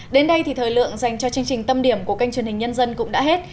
đến đây thì thời lượng dành cho chương trình tâm điểm của kênh truyền hình nhân dân cũng đã hết